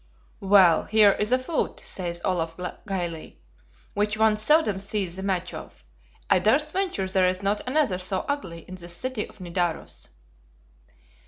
"Well, here is a foot," says Olaf, gayly, "which one seldom sees the match of; I durst venture there is not another so ugly in this city of Nidaros."